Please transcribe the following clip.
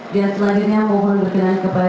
dan selanjutnya mau saya berkenan kepada